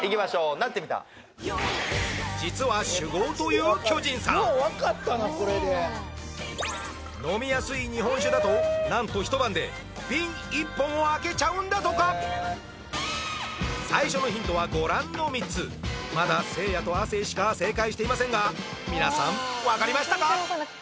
ナッテミタ飲みやすい日本酒だとなんと一晩で瓶１本を空けちゃうんだとか最初のヒントはご覧の３つまだせいやと亜生しか正解していませんが皆さんわかりましたか？